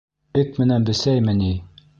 Эт менән бесәйме ни!